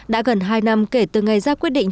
đã gần hai năm kể từ ngày ra quyết định